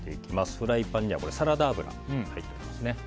フライパンにはサラダ油が入っています。